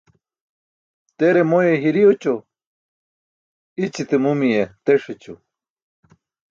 Tere moye hiri oćo, i̇ćite mumiye teṣ ećo.